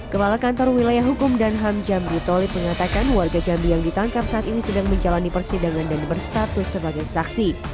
kepala kantor wilayah hukum dan ham jambi tolit mengatakan warga jambi yang ditangkap saat ini sedang menjalani persidangan dan berstatus sebagai saksi